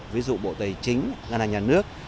ví dụ bộ tài chính ngân hàng nhà nước